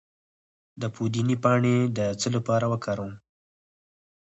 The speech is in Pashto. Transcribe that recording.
د پودینې پاڼې د څه لپاره وکاروم؟